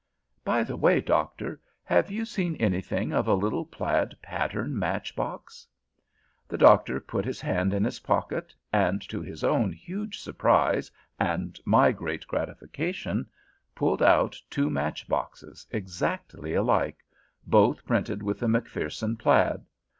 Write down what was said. "By the way, Doctor, have you seen anything of a little plaid pattern match box?" The Doctor put his hand to his pocket, and, to his own huge surprise and my great gratification, pulled out two match boxes exactly alike, both printed with the Macpherson plaid.